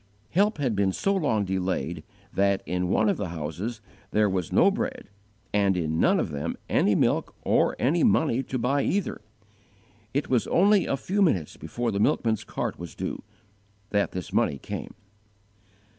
Help had been so long delayed that in one of the houses there was no bread, and in none of them any milk or any money to buy either. It was only a few minutes before the milkman's cart was due, that this money came.